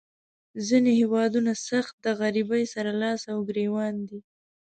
ځینې هیوادونه سخت د غریبۍ سره لاس او ګریوان دي.